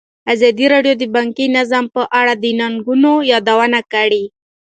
ازادي راډیو د بانکي نظام په اړه د ننګونو یادونه کړې.